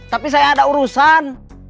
tapi saya ada urusan